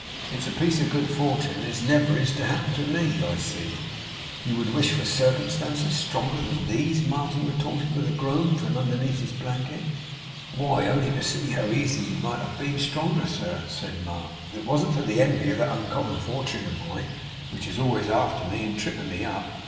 It's a piece of good fortune as never is to happen to me, I see!' 'Would you wish for circumstances stronger than these?' Martin retorted with a groan, from underneath his blanket. 'Why, only see how easy they might have been stronger, sir,' said Mark, 'if it wasn't for the envy of that uncommon fortun of mine, which is always after me, and tripping me up.